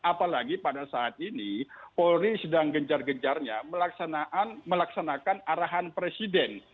apalagi saat ini polri sedang mengejar gejarnya melaksanakan arahan presiden